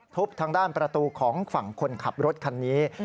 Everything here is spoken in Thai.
ทางด้านประตูของฝั่งคนขับรถคันนี้